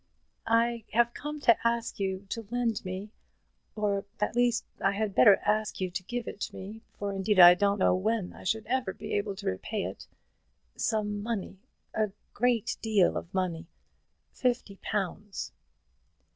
"I have come to ask you to lend me, or at least I had better ask you to give it me, for indeed I don't know when I should ever be able to repay it, some money, a great deal of money, fifty pounds."